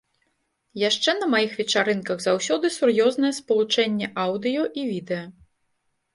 Яшчэ на маіх вечарынках заўсёды сур'ёзнае спалучэнне аўдыё і відэа.